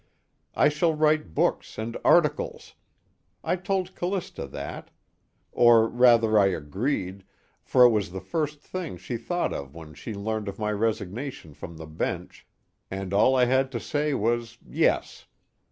I shall write books and articles I told Callista that; or rather I agreed, for it was the first thing she thought of when she learned of my resignation from the bench, and all I had to say was yes.